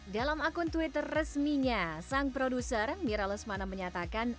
dalam akun twitter resminya sang produser mira lesmana menyatakan